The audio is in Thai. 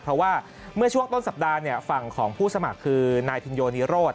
เพราะว่าเมื่อช่วงต้นสัปดาห์ฝั่งของผู้สมัครคือนายพินโยนิโรธ